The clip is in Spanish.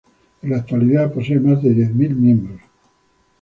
En la actualidad posee más de diez mil miembros.